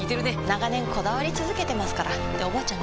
長年こだわり続けてますからっておばあちゃん